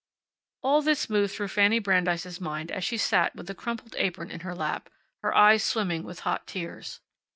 All this moved through Fanny Brandeis's mind as she sat with the crumpled apron in her lap, her eyes swimming with hot tears.